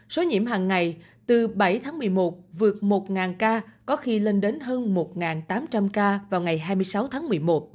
số nhiễm hàng ngày từ bảy tháng một mươi một vượt một ca có khi lên đến hơn một tám trăm linh ca vào ngày hai mươi sáu tháng một mươi một